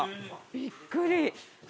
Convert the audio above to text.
びっくり！